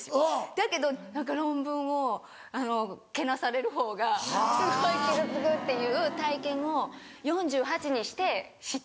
だけど何か論文をけなされるほうがすごい傷つくっていう体験を４８にして知ったっていう。